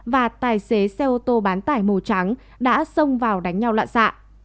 và tài xế xe ô tô bán tải màu trắng đã xông vào đánh nhau loạn xạ